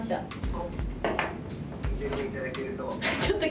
見せていただけると。